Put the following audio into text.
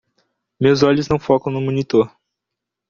Meu olhos não focam no monitor.